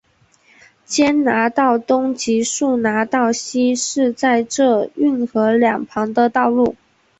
坚拿道东及坚拿道西是在这运河两旁的道路。